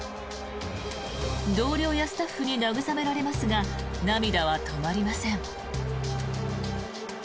同僚やスタッフに慰められますが涙は止まりません。